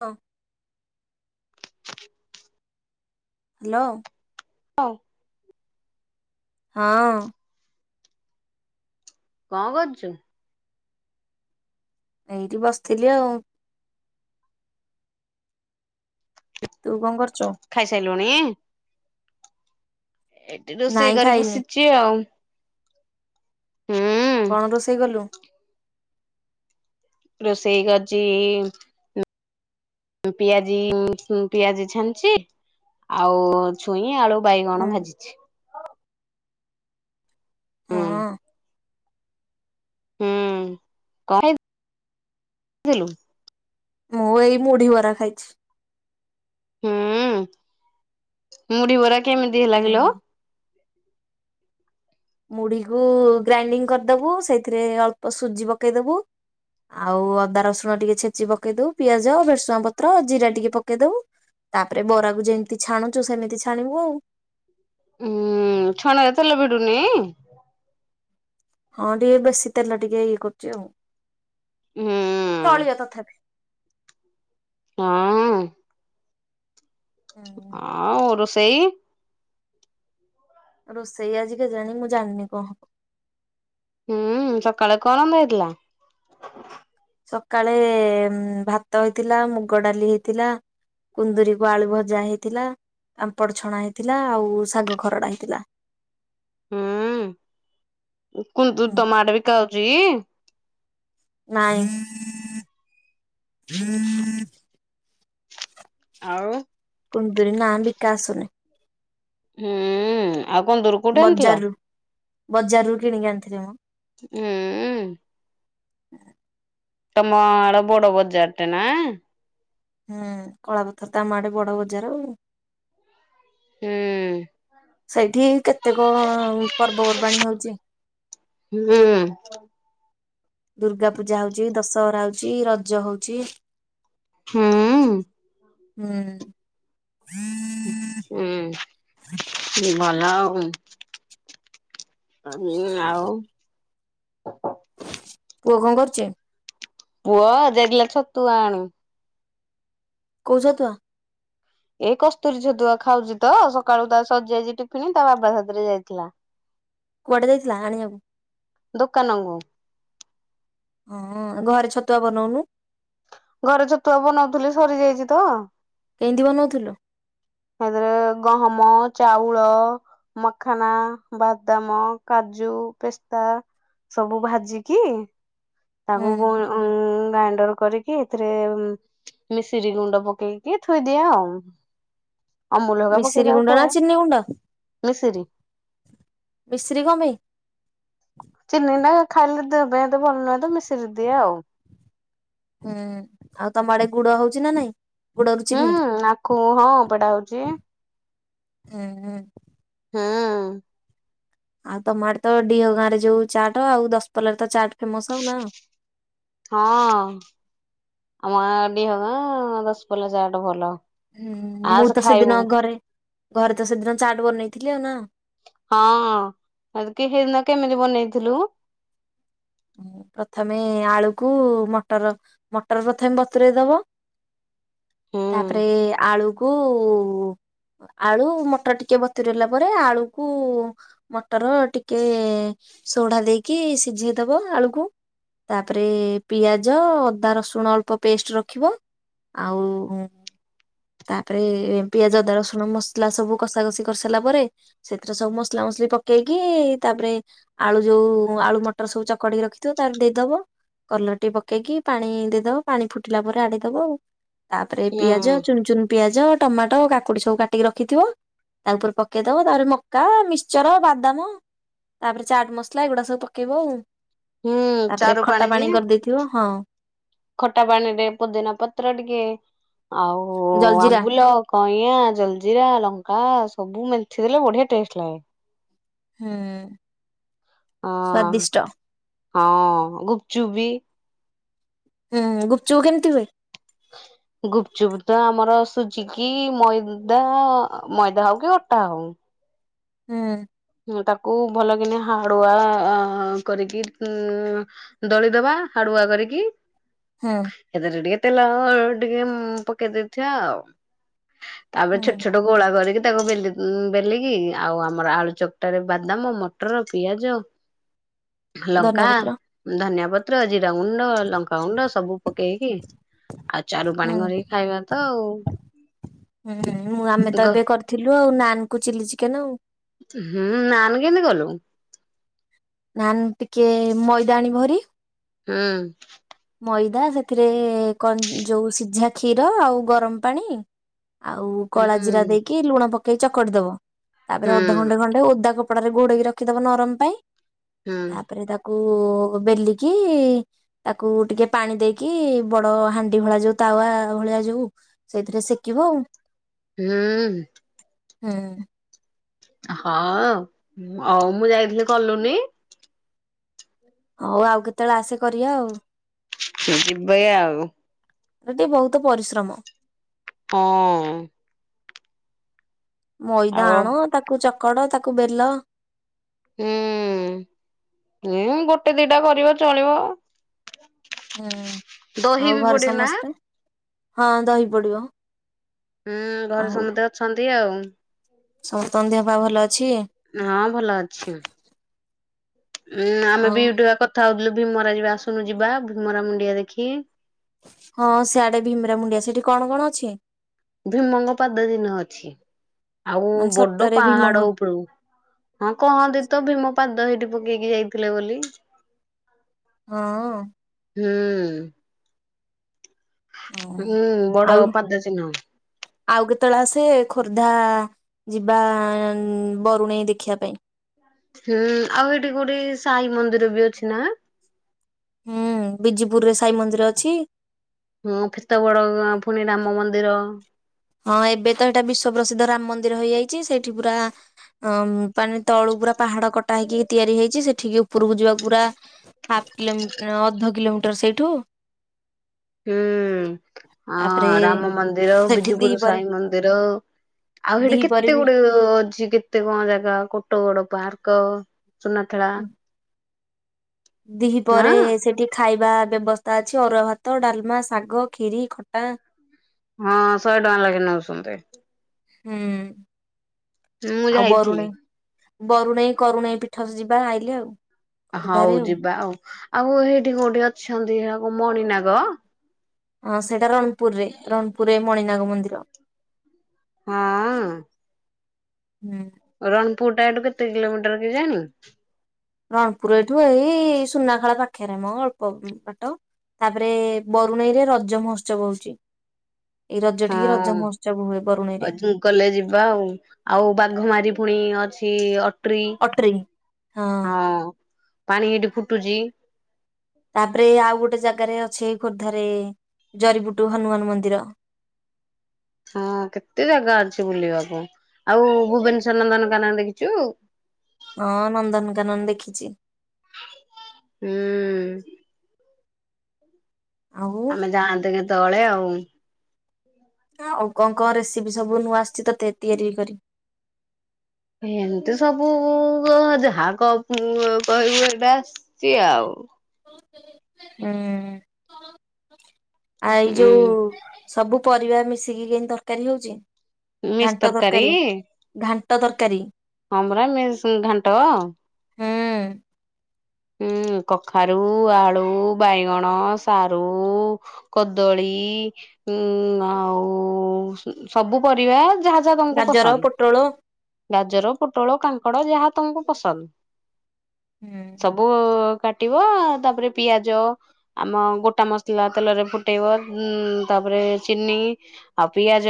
ହ ଲୋ ଅ ହଁ। କଣ କରୁଛୁ? ଏଇଠି ବସିଥିଲି ଆଉ। ତୁ କଣ କର ଖାଇସାଇଲୁଣି? ଏଠି ରୋଷେଇ ନାଇଁ କରିକି ଖାଇନି ଶିଚି ଆଉ। ହୁଁ। କଣ ରୋଷେଇ କଲୁ? ରୋଷେଇ ଗଜି ପିଆଜି ପିଆଜି ଛାଣିଛି ଆଉ ଛୁଇଁ ଆଳୁ ବାଇଗଣ ହୁଁ ଭାଜିଛି। ହୁଁ ହଁ। ହୁଁ କହ। ମୁଁ ଏଇ ମୁଢି ବରା ଖାଇଛି। ହୁଁ ମୁଢି ବରା କେମିତି ହେଲା କିଲୋ? ହୁଁ ମୁଢିକୁ ଗ୍ରାଇଣ୍ଡିଙ୍ଗ କରିଦେବୁ ସେଇଥିରେ ଅଳ୍ପ ସୁଜି ପକେଇଦବୁ ଆଉ ଅଦା ରସୁଣ ଟିକେ ଛେଚି ପକେଇ ଦଉ ପିଆଜ ଭେସୁଆ ପତ୍ର ଜିରା ଟିକେ ପକେଇ ଦଉ। ତାପରେ ବରାକୁ ଯେମିତି ଛାଣୁଛୁ ସେମିତି ଛାଣିବୁ ଆଉ। ହୁଁ ଛଣା ରେ ତାଲେ ବିଡୁନି। ହଁ ଟିକେ ବେଶୀ ତେଲ ଟିକେ ଇଏ କରୁଛି ଆଉ ହୁଁ ଚଳିବ ତଥାପି। ହଁ। ହୁଁ ହ ଓ ସେଇ ରୋଷେଇ ଆଜିି କେଜାଣି ଜାଣି ମୁଁ ଜାଣିନି କ ହବ। ହୁଁ ସକାଳେ କ ରନ୍ଧା ହେଇଥିଲା? ସକାଳେ ଭାତ ହେଇଥିଲା ମୁଗ ଡାଲି ହେଇଥିଲା। କୁନ୍ଦୁରି କୁ ଆଳୁ ଭଜା ହେଇଥିଲା। ପାମ୍ପଡ ଛଣା ହେଇଥିଲା ଆଉ ଶାଗ ଖରଡା ହେଇଥିଲା। ହୁଁ କୁନ୍ଦୁ ତମ ଆଡ଼େ ବିକାହଉଛି। ନାଇଁ। ଆଉ କୁନ୍ଦୁରି ନାଁ ବିକା ଆସୁନି। ହୁଁ ଆଉ କଣ କୁନ୍ଦୁରି କୋଉଠୁ ଆଣିଥିଲ। ବଜାରରୁ ବଜାରରୁ କିଣିକି ଆଣିଥିଲି ମୁଁ ହୁଁ। [inaudible] ତମର ବଡ ବଜାର ଟେ ନା। ହୁଁ କଳାପଥର ତ ଆମ ଆଡେ ବଡ ବଜାର ଆଉ। ହୁଁ। ସେଇଠି କେତେକ ପର୍ବପର୍ବାଣୀ ହଉଛି। ହୁଁ। ଦୁର୍ଗା ପୂଜା ହଉଚଛି ଦଶହରା ହଉଛି ରଜ ହଉଛି। ହୁଁ। ହୁଁ। ହୁଁ ଭଲ ଆଉ। ହୁଁ ଆଉ ପୁଅ କଣ କରୁଚି? ପୁଅ ଜାଇଥିଲା ଛତୁଆ ଆଣି କୋଉ ଛତୁଆ? ଏଇ କସ୍ତୁରୀ ଛତୁଆ ଖାଉଛି ତ ସକାଳୁ ତା ସରିଜାଇଛି ଟିଫିଣି ତା ବାବା ସାଥିରେ ଯାଇଥିଲା। [inaudible] କୁଆଡେ ଯାଇଥିଲା ଆଣିବାକୁ? ଦୋକାନଙ୍କୁ। ହଁ ଘରେ ଛତୁଆ ବନଉନୁ। ଘରେ ଛତୁଆ ବନାଉଥିଲେ ସରିଯାଇଛି ତ କେତି ବନଉଥିଲୁ? ଏଥିରେ ଗହମ ଚାଉଳ ମଖାନ ବାଦାମ କାଜୁ କାଜୁ ପେସ୍ତା ସବୁ ଭାଜିକି ତାକୁ ଗ ଉଁ ଗ୍ରାଇଣ୍ଡର୍। କରିକି ଏଥିରେ ମିଶିରି ଗୁଣ୍ଡ ପକେଇକି ଥୋଇଦିଏ ଆଉ। ଅମୁଲୁ ହେଇକା ମିଶିରି ପକେଇଦେଇ ତାକୁ ଗୁଣ୍ଡ ନା ଖୁଏ ଚିନି ଗୁଣ୍ଡ ମିଶିରି। ମିଶ୍ରି କଣ ପାଇଁ ଚିନି ନା ଖାଇଲେ ଦେହ ପାଇଁ ଏତେ ଭଲ ନୁହେଁ ମିଶିରି ଦିଏ ଆଉ। ହୁଁ ଆଉ ତମ ଆଡ଼େ ଗୁଡ଼ ହଉଛିି ନା ନାଇଁ? ଗୁଡରୁ ଚିନି ହୁଁ ଆଖୁ ହଁ ଓପଡା ହଉଛି। ହୁଁ ହୁଁ। ହୁଁ। ଆଉ ତମ ଆଡ଼େ ତ ଡି଼ହ ଗାଁ ରେ ଯୋଉ ଚାଟ୍ ଆଉ ଦଶପଲ୍ଲାରେ ତ ଚାଟ ଫେମସ୍ ଆଉ ନା। ହଁ ଆମ ଗାଁ ଡିହ ଗାଁ ଦଶପଲ୍ଲା ଚାଟ ଭଲ। ହୁଁ ମୁଁ ଆସେ ତ ଖାଇବୁ ସେଦିନ ଘରେ ଘରେ ତ ସେଦିନ ଚାଟ ବନେଇଥିଲି ଆଉ ନା। ହଁ କି ସେଇଦିନ କେମିତି ବନେଇଥିଲୁ? ପ୍ରଥମେ ଆଳୁକୁ ମଟର ମଟର ପ୍ରଥମେ ବତୁରେଇ ଦବ। [inaudible] ହୁଁ ତାପରେ ଆଳୁକୁ ଆଳୁ ମଟର ଟିକେ ବତୁରିଲା ପରେ ଆଳୁକୁ ମଟର ଟିକେ ସୋଢା ଦେଇକି ସିଝେଇଦବ ଆଳୁକୁ। ତାପରେ ପିଆଜ ଅଦା ରସୁଣ ଅଳ୍ପ ପେଷ୍ଟ୍ ରଖିବ। ଆଉ ତାପରେ ପିଆଜ ଅଦା ରସୁଣ ମସଲା ସବୁ କଷା କଷି କରିସାରିଲା ପରେ ସେଥିରେ ସବୁ ମସଲା ପକେଇକି ତାପରେ ଆଳୁ ଯୋଉ ଆଳୁ ମଟ ର ସବୁ ଚକଡିକି ରଖିଥିବ ତାର ଦେଇଦବ। କଲର ଟିକେ ପକେଇକି ପାଣି ଦେଇଦବ ପାଣି ଫୁଟିଲା ପରେ ଆଡେଇଦବ ଆଉ। ତାପରେ ହୁଁ ପିଆଜ ଚୁନ୍ ଚୁନ୍ ପିଆଜ ଟମାଟୋ କାକୁଡ଼ି ସବୁ କାଟିକି ରଖିଥିବ। ତା ଉପରେ ପକେଇ ଦବ ତାପରେ ମକା ମିକ୍ସଚର୍ ବାଦାମ ତାପରେ ଚାଟ୍ ମସଲା ଏଗୁଡା ସବୁ ପ କେଇବ। ହୁଁ ଚାରୁ ପାଣି ବି। ହଁ ଖଟା ପାଣିରେ ପୋଦିନା ପତ୍ର ଟିକେ ଆଉ ଜଲଜିରା ଆମ୍ବୁଲ କଣ? [unintelligible] ଜଲଜିରା ଲଙ୍କା ସବୁ ମେଁଥି ଦେଲେ ବଢିଆ ଟେଷ୍ଟ୍ ଲାଗେ। ହୁଁ। ହଁ ସ୍ଵାଦିଷ୍ଟ ହଁ ଗୁପୁଚୁପ୍ ବିି। ହୁଁ ଗୁପୁଚୁପ୍ କେମିତି ହୁଏ? [inaudible] ଗୁପୁଚୁପ୍ ତ ଆମର ସୁଜିକି ମଇଦା ମଇଦା ହଉ କି ଅଟା ହଉ। ହୁଁ। ତାକୁ ଭଲ କିନା ହାଡ଼ୁଆ କରିକି ଦଳିଦବା ହାଡ଼ୁ ଆ କରିକି। ହୁଁ ସେଥିରେ ଟିକେ ତେଲ ଆ ଟିକେ ପକେଇ ଦେଇେଥିବା ଆଉ। ତାପରେ ହୁଁ ଛୋଟ ଛୋଟ ଗୋଳା କରିକି ତାକୁ ବେ ବେଲିକି ଆଉ ଆମର ଆଳୁ ଚକ ଟାରେ ବାଦାମ, ମଟର, ପିଆଜ, ଧନିଆ ଲଙ୍କା, ପତ୍ର ଧନିଆ ପ [unintelligible] ଲଙ୍କା ଗୁଣ୍ଡ ସବୁ ପକେଇକି ଆଉ ଚାରୁ ହୁଁ ପାଣି କରିକି ଖାଇବା ତ ଆଉ। ହୁଁ ମୁଁ ଆମେ ତ ଗ ଏବେ କରିଥିଲୁ ଆଉ ନାନ୍ କୁ ଚିଲି ଚିକେନ୍ ଆଉ। ହୁଁ ନାନ୍ କେମିତି କଲୁ? ନାନ୍ ଟିକେ ମଇଦା ଆଣିବ ଭେରି ହୁଁ। ମଇଦା ସେଥିରେ କ ଯୋଉ ସିଝା କ୍ଷୀର ଆଉ ଗରମ ପାଣି ଆଉ ହୁଁ କଳା ଜିରା ଦେଇକି ଲୁଣ ପକେଇ ଚକଟି ଦବ ତାପରେ ହୁଁ ଅଧଘଣ୍ଟେ ଖଣ୍ଡେ ଓଦା କ କପଡ଼ାରେ ଘୋଡେଇକି ରଖିଦବ ନରମ ପାଇଁ ହୁଁ ତାପରେ ତାକୁ ବେଲିକି ତାକୁ କୁ ଟିକେ ପାଣି ଦେଇକି ବଡ ହାଣ୍ଡି ଭଳିଆ ଯୋଉ ତାୱା ଭଳିଆ ଯୋଉ ସେଇଥିରେ ସେକିବ ଆଉ। ହୁଁ ହୁଁ। ହଁ ଆଉ ମୁଁ ଯାଇଥିଲି କଲୁନି ହୋଉ ଆଉ କେତେବେଳେ ଆସେ କରିବା ଆଉ। ଯିବେ ଆଉ। କିନ୍ତୁ ବହୁତ ପରିଶ୍ରମ। ହଁ। ମଇଦା ଆଉ ଆଣ ତାକୁ ଚକଡ ତାକୁ ବେଲ ହୁଁ ଗୋଟେ ଦିଇଟା କରିବ ଚଳିବ। ହୁଁ ଦହି ଆଉ ବି ଘରେ ପଡେ ନା ସମସ୍ତେ ହଁ ଦହି ପଡିବ ହୁଁ ଘରେ ସମସ୍ତେ ଅଛନ୍ତି ଆଉ। ସମସ୍ତନ ଦେହ ପା ଭଲ ଅଛି। ହଁ ଭଲ ଅଛି। ଉଁ ଆମେ ଆଉ ବି ଟ କଥା ହୋଉଥିଲୁ। ଭୀମରା ଯିବା ଆସୁନୁ ଯିବା ଭୀମରା ମୁଣ୍ଡିଆ ଦେଖି ହଁ ସିଆଡେ ଭୀମରା ମୁଣ୍ଡିଆ ସେଠି କଣ କଣ ଅଛି। ଭୀମଙ୍ଗ ପାଦ ଦିନ ଅଛି ଆଉ ମାନେ ବଡ ସତରେ ଭୀମଙ୍କ ପାହାଡ ଉପରକୁ ହଁ କହନ୍ତିୀ ତ ଭୀମ ପାଦ ହେଇଠେ ପକେଇକି ଯାଇଥିଲେ ବୋଲି ହଁ। ହୁଁ। ହଁ। ହୁଁ ବଡ ଆଉ ପାଦ ଚିହ୍ନ। ଆଉ କେତେବେଳେ ଆସେ ଖୋର୍ଦ୍ଧା ଯିବା ବରୁଣେଇ ଦେଖିବା ପାଇଁ। ହୁଁ ଆଉ ଏଠି କୋଟି ସାହି ମନ୍ଦିର ବି ଅଛି ନା ହୁଁ ବିଜେପୁରରେ ସାଇ ମନ୍ଦିର ଅଛି। ହୁଁ ଫିତବଡ ଗାଁ ଫୁଣି ରାମ ମନ୍ଦିର ହଁ ଏବେ ତ ଏଇଟା ବିଶ୍ଵ ପ୍ରସିଦ୍ଧ ରାମ ମନ୍ଦିର ହେଇଯାଇଛି ସେଇଠି ପୁରା ଅମ୍ ପାନେ ତଳୁ ପୁରା ପାହାଡ କଟା ହେଇକି ତିଆରି ହେଇଛି ସେଠ ଠିକି ଉପରକୁ ଯିବାକୁ ପୁରା ହାଫ କିଲୋମି ଅଧ କିଲୋମିଟର ସେଇଠୁ ହୁଁ ହଁ ତାପରେ ରାମ ମନ୍ଦିର ସେଠି ବିଜୁପୁର ଦିପହରେ ସାଇଁ ମନ୍ଦିର ଆଉ ସେଠି ଦିପହରେ କେତେ ବି ଗୁଡେ ଅ ଅଛି କେତେ କଣ ଜାଗା କୋଟଗଡ ପାର୍କ କ ସୁନାଥେଳା ଦିହି ପରେ ସେଠି ଖାଇ ବା ବ୍ୟବସ୍ଥା ଅଛି ଅରୁଆ ଭାତ, ଡାଲମା, ଶାଗ, ଖରି, ଖଟା ହଁ ଶହେ ଟଙ୍କା ଲେଖ ନେଉଛନ୍ତି। ହୁଁ। ମୁଁ ଯାଇଥିଲି ବରୁଣେହି କରୁଣେହିଁ ପିଠ ଯିବା ଆଇଲେ ଆଉ। ହଉ ଯିବା ଆଉ ଆଉ ଏଇଠି କୋଉଠି ଅଛନ୍ତି ଏହାକୁ ମଣିନାଗ ହଁ ସେଇଟା ରଣପୁରରେ ରଣପୁରରେ ମଣିନାଗ ମନ୍ଦିର ହଁ। ହୁଁ। ପୁରିଟା ଏଠୁ କେତେ କିଲୋମିଟର କେଜାଣି ରଣପୁର ଏଇଠୁ ଏଇ ସୁନାଖେଳା ପାଖିରେ ମୋ ଅଳ୍ପ ଆମ୍ ବାଟ ତାପରେ ବରୁଣେଇ ରେ ରଜ ମହୋତ୍ସବ ହୋଉ ରଜ ଟିକି ରଜ ମହୋତ୍ସ ହୁଏ। ବରୁଣେଇରେ ଅଜୁ ଗଲେ ଯିବା ଆଉ ଆଉ ବାଘ ମାରି ପୁଣି ଅଛି ଅ ଟ୍ରି ଅଟ୍ରି ହଁ ପାଣି ଏଠି ଫୁଟୁଚି ତାପରେ ଆଉ ଗୋଟେ ଜାଗାରେ ଅଛେ ଖୋର୍ଦ୍ଧାରେ ଜରିପୁଟୁ ହନୁମାନ ମନ୍ଦିର ହଁ କେତେ ଜାଗା ଅଛି ବୁଲିବାକୁ ଆଉ ଭୁବନେଶ୍ୱର ନନ୍ଦନକାନକ ଦେଖିଛୁ। ହଁ ନନ୍ଦନକାନନ ଦେଖିଛି। ହୁଁ। ଆଉ ଆମେ ଯାଆନ୍ତେ କେତେବେଳେ ଆଉ ଆଉ କଣ କଣ ରେସିପି ସବୁ ନୂଆ ଆସିଛି ତତେ ତିଆରି କରି? ଏମିତି ସବୁ ଯାହା କ ଉମ ପ ଯାହା କହିବୁ ହେଟାସ୍ ସିଏ ଆଉ। ହୁଁ ଆଇ ଉଁ ଯୋଉ ସବୁ ପରିବା ମିଶିକି କେନ୍ତୀ ତରକାରୀ ହଉଛି, ଘାଣ୍ଟ ତରକାରୀ ଘା ଟ ତରକାରୀ? ହଁ ପରା ମେନ୍ ସୁ ଘାଣ୍ଟ। ହୁଁ ହୁଁ। କଖାରୁ, ଆଳୁ, ବାଇଗଣ, ସାରୁ, କଦଳୀ ଉଁ ଆଉ ସବୁ ପରିବା ଯାହା ଯାହା ତମକୁ ଗାଜର ପୋଟଳ ପସନ୍ଦ ଗାଜର ପୋଟଳ କାଙ୍କଡ଼ ଯାହା ତଙ୍କୁ ପସନ୍ଦ ହୁଁ ସବୁ କାଟିବ ତାପରେ ପିଆଜ ଆମ ଗୋଟା ମସଲା ତେଲରେ ଫୁଟେଇବ ଉ ତାପରେ ତାପରେ ଚିନି, ଆଉ ପିଆଜ,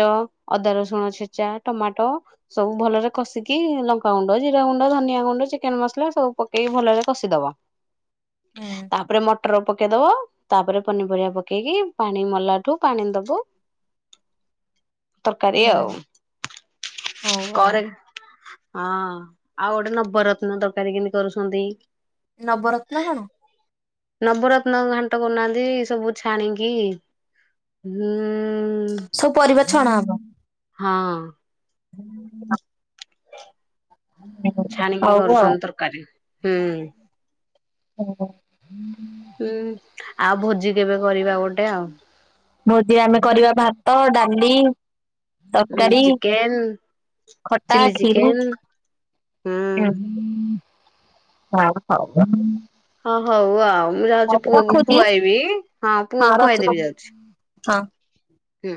ଅଦା, ରସୁଣ, ଛେଚା ଟମାଟୋ, ସବୁ ଭଲରେ କଷିକି ଲଙ୍କାଗୁଣ୍ଡ, ଜିରା ଗୁଣ୍ଡ, ଧନିଆ ଗୁଣ୍ଡ, ଚିକେନ ମସଲା ସବୁ ପକେଇି ଭଲରେ ସଷିଦବ ହୁଁ। ତାପରେ ମଟର ପକେଇଦବ ତାପରେ ପନିପରିବା ପକେଇକି ପାଣି ମଲା ଠୁ ପାଣି ଦବୁ ତରକାରୀ ହୁଁ ଆଉ ହଉ ଆଉ କରେ ହଁ ଆଉ ଗୋଟେ ନବରତ୍ନ ତରକାରୀ କେମତି କରୁଛନ୍ତି! ନବରତ୍ନ କଣ? ନବରତ୍ନ ଘାଣ୍ଟ କରୁନାହାନ୍ତି ସବୁ ଛାଣିକି, ହଁ ସବୁ ପରିବାର ଛଣା ହବ। ହଁ। ହୁଁ। ଛାଣିିକି ହଉ କରସ ଆଉ ତରକାରୀ ହୁଁ। ହୁଁ ଆଉ ଭୋଜି କେବେ କରିବା ଗୋଟେ ଆଉ ଭୋଜିରେ ଆମେ କରିବା ଭାତ ଡାଲି ଉଁ ତରକାରୀ, ଚିକେନ ଖଟା, ଚିଲି କ୍ଷୀରି। ଚିକେନ ହୁଁ ହଁ, ହଉ। ହଁ ହଉ ଆଉ ମୁଁ ଯାଉଛି, ହଉ ପୁଅକୁ ରଖୁଛି ଖୁଆଇବି ହଁ ପୁଅକୁ ଖୁଆଇଦେବି ଯାଉଛି। ହଁ। ହୁଁ।